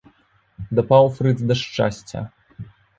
Дапаў фрыц да шчасця!